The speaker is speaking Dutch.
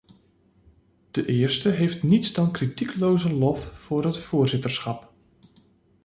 De eerste heeft niets dan kritiekloze lof voor het voorzitterschap.